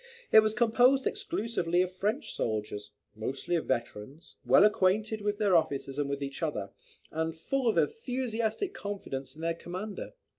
It was composed exclusively of French soldiers, mostly of veterans, well acquainted with their officers and with each other, and full of enthusiastic confidence in their commander.